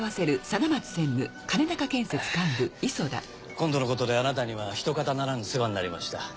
今度のことであなたには一方ならぬ世話になりました。